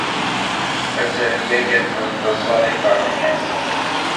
Mazal yaya-twen teẓẓaḍ iberniyas?